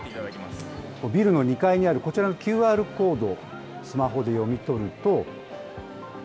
ビルの２階にあるこちらのＱＲコードをスマホで読み取ると。